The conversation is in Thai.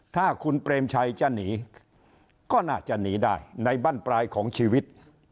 ถ้าคุณเปรมชัยจะหนีก็น่าจะหนีได้ในบ้านปลายของชีวิต